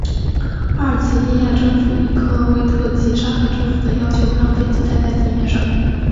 阿尔及利亚政府应科威特及沙特政府的要求让飞机待在地面上。